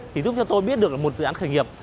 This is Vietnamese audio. thì giúp cho tôi biết được là một dự án khởi nghiệp